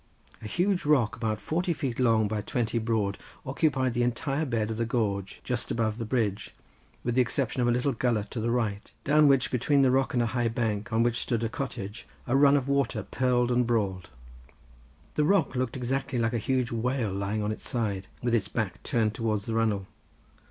A huge rock about forty feet long, by twenty broad, occupied the entire bed of the gorge, just above the bridge, with the exception of a little gullet to the right, down which between the rock and a high bank, on which stood a cottage, a run of water purled and brawled. The rock looked exactly like a huge whale lying on its side, with its back turned towards the runnel.